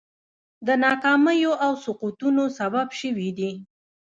د ناکامیو او سقوطونو سبب شوي دي.